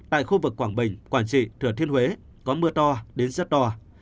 tại khu vực quảng bình quảng trị thừa thiên huế có mưa to đến rất to